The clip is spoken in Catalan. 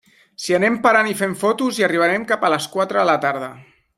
Si anem parant i fent fotos, hi arribarem cap a les quatre de la tarda.